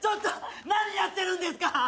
何やってるんですか？